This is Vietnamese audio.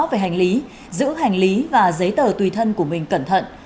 về hành lý giữ hành lý và giấy tờ tùy thân của mình cẩn thận